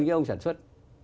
cái ông sản xuất